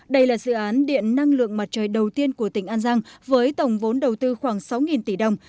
đây là dự án điện năng lượng mặt trời đầu tiên của tỉnh an giang với tổng vốn đầu tư khoảng sáu tỷ đồng